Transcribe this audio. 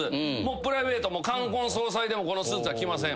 プライベートも冠婚葬祭でもこのスーツは着ません。